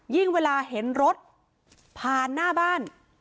เวลาเห็นรถผ่านหน้าบ้าน